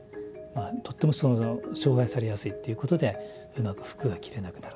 とっても障害されやすいっていうことでうまく服が着れなくなる。